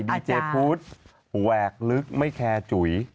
ดีเจพุทธแหวกลึกไม่แคร์จุ๋ย